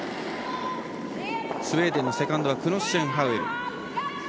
スウェーデンのセカンドはクノッシェンハウエル。